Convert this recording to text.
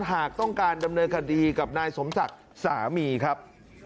หากต้องการดำเนินคดีกับนายสมศักดิ์สามีครับ